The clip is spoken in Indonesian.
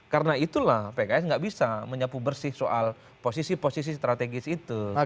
karena itulah pks nggak bisa menyapu bersih soal posisi posisi strategis itu